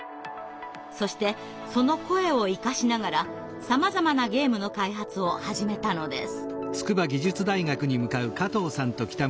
そしてその声を生かしながらさまざまなゲームの開発を始めたのです。